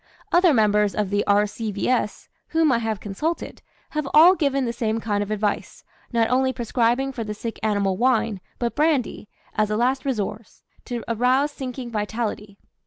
Other members of the R.C.V.S., whom I have consulted, have all given the same kind of advice, not only prescribing for the sick animal wine, but brandy, as a last resource, to arouse sinking vitality.